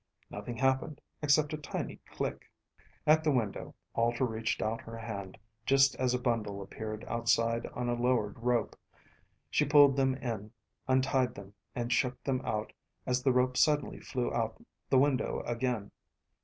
Nothing happened except a tiny click. At the window, Alter reached out her hand, just as a bundle appeared outside on a lowered rope. She pulled them in, untied them, and shook them out as the rope suddenly flew out the window again.